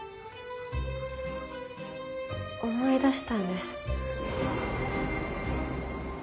思い出したんです。